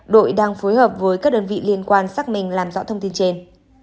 đội đang phối hợp với các đơn vị liên quan xác minh làm rõ thông tin trên